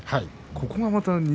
ここが、また錦